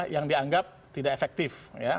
yang dianggap tidak efektif